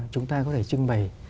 chúng ta có thể trưng bày